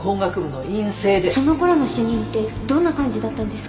その頃の主任ってどんな感じだったんですか？